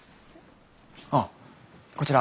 あっこちら